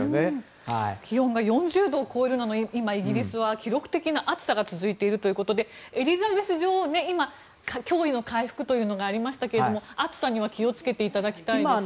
気温が４０度を超えるなどイギリスは今記録的な暑さが続いているということでエリザベス女王、驚異の回復というのがありましたが暑さには気を付けていただきたいですね。